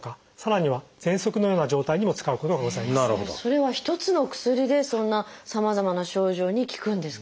それは一つの薬でそんなさまざまな症状に効くんですか？